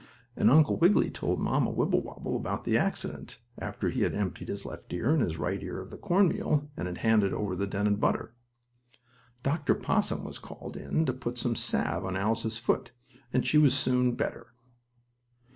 And Uncle Wiggily told Mamma Wibblewobble about the accident, after he had emptied his left ear and his right ear of the cornmeal and had handed over the dented butter. Dr. Possum was called in to put some salve on Alice's foot, and she was soon better.